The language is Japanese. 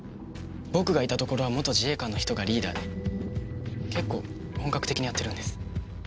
僕がいたところは元自衛官の人がリーダーで結構本格的にやってるんです。